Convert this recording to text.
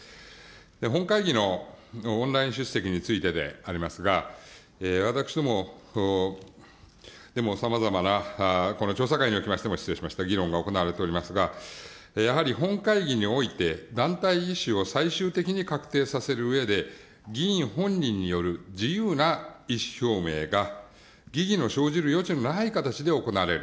本会議のオンライン出席についてでありますが、私どもでもさまざまな議論が調査会で行われていますが、やはり本会議において、団体意思を最終的に確定させるうえで、議員本人による自由な意思表明が疑義の生じる余地のない形で行われる。